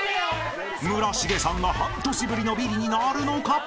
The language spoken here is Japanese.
［村重さんが半年ぶりのビリになるのか？］